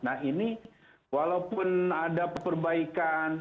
nah ini walaupun ada perbaikan